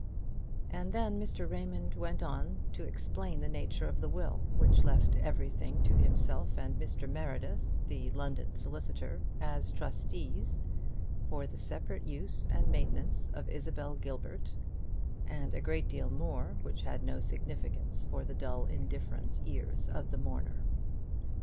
And then Mr. Raymond went on to explain the nature of the will, which left everything to himself and Mr. Meredith (the London solicitor) as trustees, for the separate use and maintenance of Isabel Gilbert, and a great deal more, which had no significance for the dull indifferent ears of the mourner.